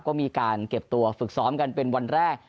ก็มีการเก็บตัวฝึกซ้อมกันเป็นวันแรก